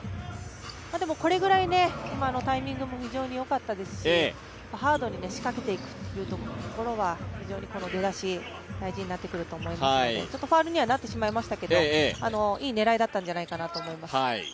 でもこれぐらい、今のタイミングも非常によかったですしハードに仕掛けていくっていうところは非常に出だし、大事になってくると思いますのでファウルにはなってしまいましたがいい狙いじゃないかなと思います。